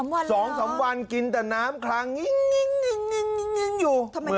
๒๓วันเหรอ๒๓วันกินแต่น้ำครั้งงิงอยู่